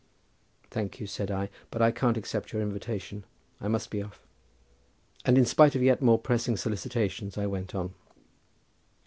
"Thank you," said I, "but I can't accept your invitation, I must be off;" and in spite of yet more pressing solicitations I went on.